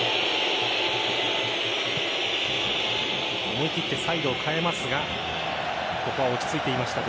思い切ってサイドを変えますがここは落ち着いていました。